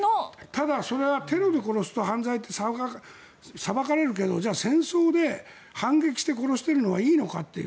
ただ、それはテロで殺すと犯罪って裁かれるけど、じゃあ戦争で反撃して殺しているのはいいのかって。